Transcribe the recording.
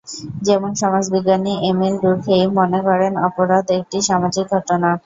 যেমন: সমাজবিজ্ঞানী Emile Durkheim মনে করেন, অপরাধ একটি সামাজিক ঘটনা।